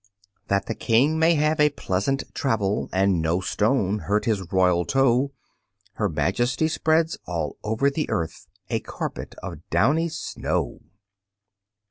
That the King may have pleasant travel, And no stone hurt his royal toe, Her Majesty spreads all over the earth, A carpet of downy snow.